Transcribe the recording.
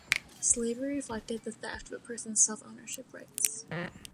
Slavery reflected the theft of a person's self-ownership rights.